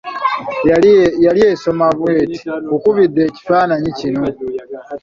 Yali esoma bw'eti: nkukubidde ekifananyi kino.